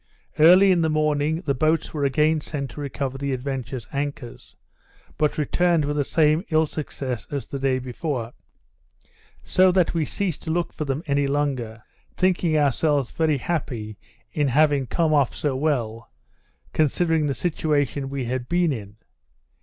Early in the morning, the boats were again sent to recover the Adventure's anchors, but returned with the same ill success as the day before, so that we ceased to look for them any longer, thinking ourselves very happy in having come off so well, considering the situation we had been in.